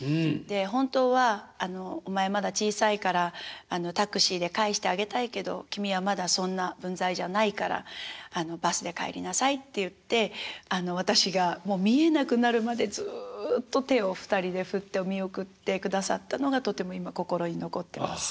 「本当はお前まだ小さいからタクシーで帰してあげたいけど君はまだそんな分際じゃないからバスで帰りなさい」って言って私がもう見えなくなるまでずっと手をお二人で振って見送ってくださったのがとても今心に残ってます。